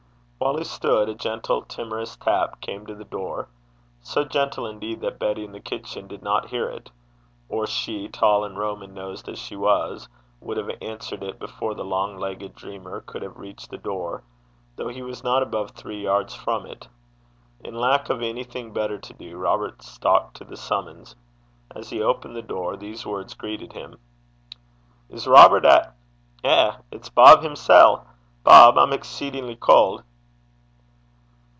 While he stood a gentle timorous tap came to the door, so gentle indeed that Betty in the kitchen did not hear it, or she, tall and Roman nosed as she was, would have answered it before the long legged dreamer could have reached the door, though he was not above three yards from it. In lack of anything better to do, Robert stalked to the summons. As he opened the door, these words greeted him: 'Is Robert at eh! it's Bob himsel'! Bob, I'm byous (exceedingly) cauld.'